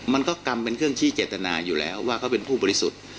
กรรมเป็นเครื่องชี้เจตนาอยู่แล้วว่าเขาเป็นผู้บริสุทธิ์